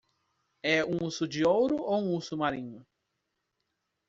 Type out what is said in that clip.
É um urso de ouro ou um urso marinho?